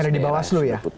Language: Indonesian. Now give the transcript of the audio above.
di bawah selu ya